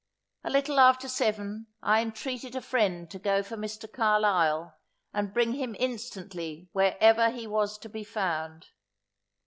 A little after seven I intreated a friend to go for Mr. Carlisle, and bring him instantly wherever he was to be found.